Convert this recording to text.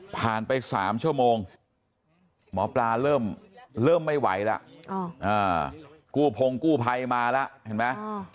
ผ่านไป๓ชั่วโมงหมอปลาเริ่มไม่ไหวแล้วกู้พงกู้ภัยมาแล้วเห็นไหม